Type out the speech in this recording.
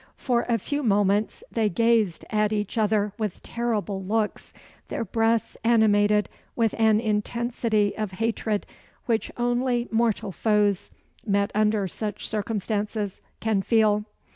For a few moments they gazed at each other with terrible looks, their breasts animated with an intensity of hatred which only mortal foes, met under such circumstances, can feel.